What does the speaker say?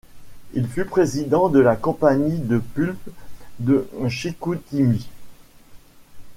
Il fut président de la Compagnie de pulpe de Chicoutimi.